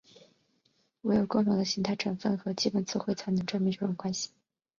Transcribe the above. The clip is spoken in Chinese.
惟有共同的形态成分和基本词汇才能证明这种关系。